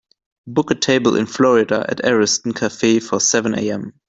book a table in Florida at Ariston Cafe for seven am